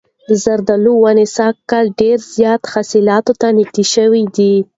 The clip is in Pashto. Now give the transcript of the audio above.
د زردالو ونې سږ کال ډېر زیات حاصل ته نږدې شوي دي.